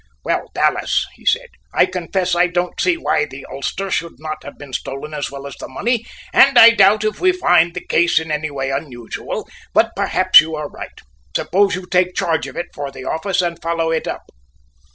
"Well, Dallas," he said, "I confess I don't see why the ulster should not have been stolen as well as the money, and I doubt if we find the case in any way unusual, but perhaps you are right. Suppose you take charge of it for the office and follow it up!"